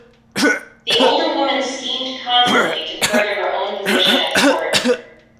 The older woman schemed constantly to further her own position at the Court.